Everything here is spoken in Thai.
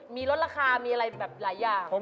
มีลดราคามีอะไรแบบหลายอย่าง